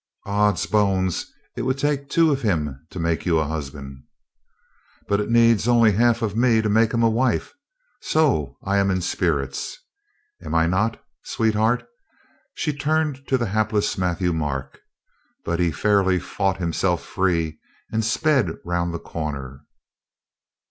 "Ods bones, it would take two of him to make you a husband." "But it needs only half of me to make him a wife, so I am in spirits. Am I not, sweetheart?" She turned to the hapless Matthieu Marc. But he fairly fought himself free, and sped round the cor ner.